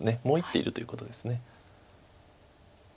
もう１手いるということです。